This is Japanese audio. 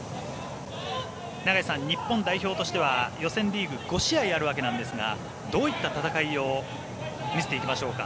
永井さん、日本代表としては予選リーグ５試合ありますがどういった戦いを見せていきましょうか。